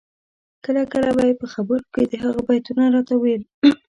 کله کله به یې په خبرو کي د هغه بیتونه راته ویل